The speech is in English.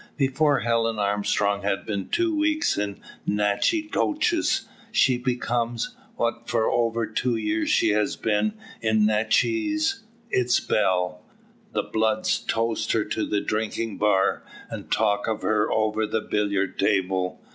Before Helen Armstrong has been two weeks in Natchitoches she becomes, what for over two years she has been in Natchez its belle. The "bloods" toast her at the drinking bar, and talk of her over the billiard table.